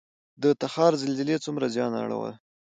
د تخار زلزلې څومره زیان اړوي؟